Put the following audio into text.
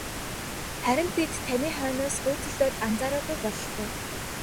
Харин тэд таны хойноос хөөцөлдөөд анзаараагүй бололтой.